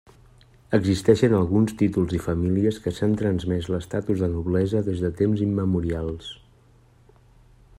Existeixen alguns títols i famílies que s'han transmès l'estatus de noblesa des de temps immemorials.